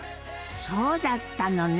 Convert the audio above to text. そうだったのね。